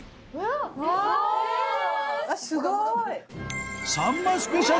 すごい！